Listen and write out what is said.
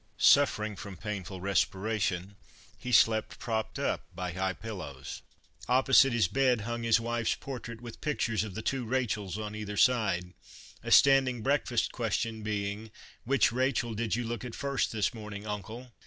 Suffering from painful respiration, he slept propped up by high pillows. Opposite his bed hung his wife's portrait with pictures of the two Rachels on either side, a standing breakfast question being, " Which Rachel did you look at first this morning, uncle